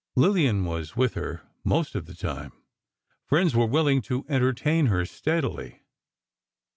Lillian was with her most of the time. Friends were willing to entertain her steadily.